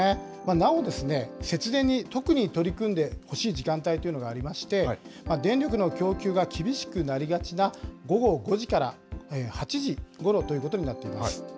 なお、節電に特に取り組んでほしい時間帯というのがありまして、電力の供給が厳しくなりがちな午後５時から８時ごろということになっています。